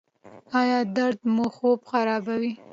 ایا درد مو خوب خرابوي؟